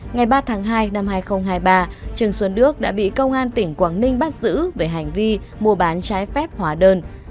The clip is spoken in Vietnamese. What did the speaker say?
ngày ba tháng hai năm hai nghìn hai mươi ba trần xuân đức đã bị công an tỉnh quảng ninh bắt giữ về hành vi mua bán trái phép hóa đơn